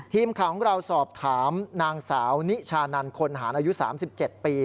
ทีมข่าวของเราสอบถามนางสาวนิชานันคนหารอายุ๓๗ปี